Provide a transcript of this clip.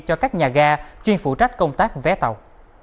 cho các nhà ga chuyên phụ trách công tác vé tàu